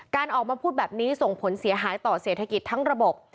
การออกมาพูดแบบนี้ส่งผลเสียหายต่อเศรษฐกิจทั้งระบบ